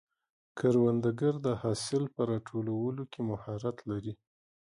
کروندګر د حاصل په راټولولو کې مهارت لري